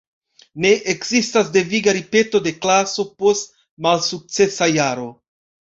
Ne ekzistas deviga ripeto de klaso post malsukcesa jaro.